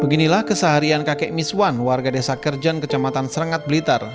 beginilah keseharian kakek miswan warga desa kerjen kecamatan serengat blitar